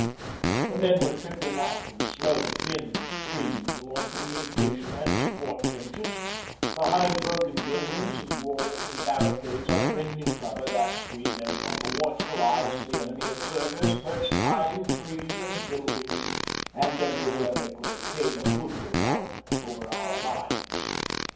The men were trickling out in slow, thin streams along communication and support trenches, behind broken buildings and walls and barricades, under any cover that screened them from the watchful eyes of the enemy observers perched high in trees and buildings and everywhere they could obtain a good look out over our lines.